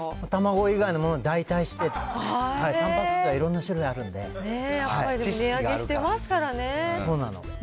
卵以外のもので代替して、たんぱく質はいろんな種類あるんでやっぱり値上げしてますからそうなの。